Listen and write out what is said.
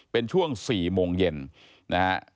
เป็นช่วง๔โมงเย็นนะฮะ